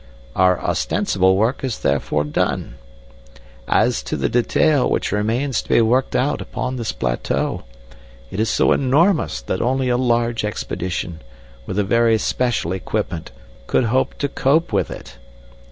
Our ostensible work is therefore done. As to the detail which remains to be worked out upon this plateau, it is so enormous that only a large expedition, with a very special equipment, could hope to cope with it.